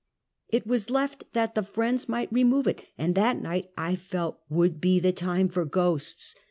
It was left that the friends might remove it, and that night I felt would be the time for ghosts.